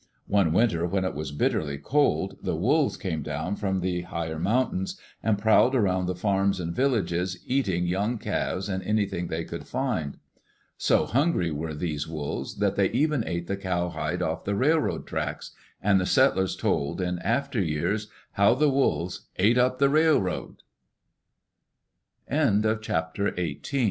One winter, when it was bitterly cold, the wolves came down from the higher mountains and prowled around the farms and villages, eating young calves and anything they could find. So hungry were these wolves that they even ate the cowhide off the railroad tracks, and the settlers told, in after years, how the wolves "ate up